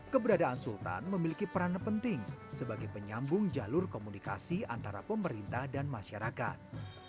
keberadaan sultan memiliki peran penting sebagai penyambung jalur komunikasi antara pemerintah dan masyarakat